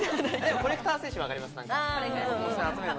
コレクター精神はわかります。